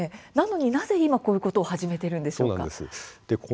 なのになぜ今こういうことを始めているんでしょうか。